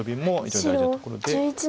非常に大事なところで。